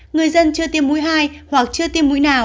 người dân chưa tiêm mũi hai hoặc chưa tiêm mũi nào